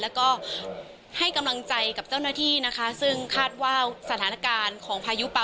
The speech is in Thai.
แล้วก็ให้กำลังใจกับเจ้าหน้าที่นะคะซึ่งคาดว่าสถานการณ์ของพายุป่า